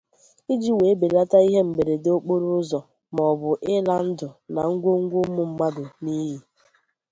iji wee belata ihe mberede okporo ụzọ maọbụ ịla ndụ na ngwongwo ụmụ mmadụ n'iyì.